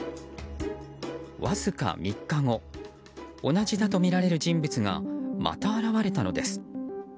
わずか３日後同じだとみられる人物がまた現れたのです。